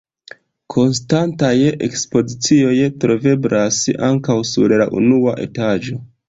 Konstantaj ekspozicioj troveblas ankaŭ sur la unua etaĝo.